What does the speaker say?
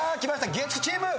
月９チーム。